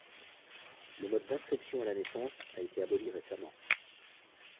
Le mode d'inscription à la naissance a été aboli récemment.